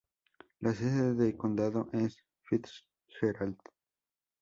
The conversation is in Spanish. La sede de condado es Fitzgerald.